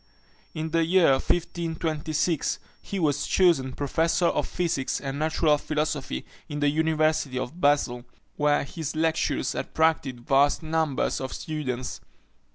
In the year 1526, he was chosen professor of physics and natural philosophy in the University of Basle, where his lectures attracted vast numbers of students.